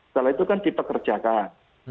setelah itu kan dipekerjakan